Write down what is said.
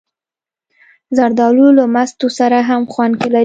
زردالو له مستو سره هم خوند لري.